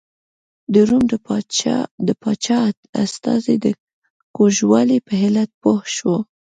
د روم د پاچا استازی د کوږوالي په علت پوه شو.